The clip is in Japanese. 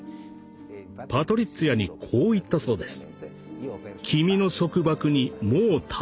パトリッツィアにこう言ったそうです。